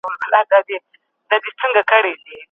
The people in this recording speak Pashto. مشران په جرګه کي خپله ملي دنده ترسره کوي.